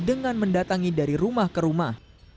dengan mendatangi dari rumah ke rumah